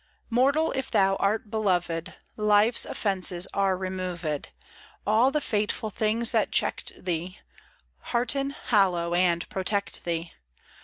MORTAL, if thou art beloved, Life's offences are removed : All the fateful things that checkt thee, Hearten, hallow, and protect thee.